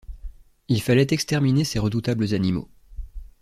Il fallait exterminer ces redoutables animaux.